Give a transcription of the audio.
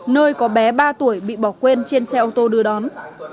nơi có bé ba tuổi bị bỏ quên trên xe ô tô đưa đón